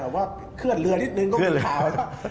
ว่าเคลื่อนเรือนิดนึงก็ไม่ถาม